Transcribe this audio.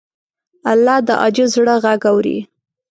الله د عاجز زړه غږ اوري.